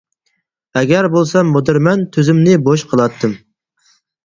ئەگەر بولسام مۇدىرمەن, تۈزۈمنى بوش قىلاتتىم.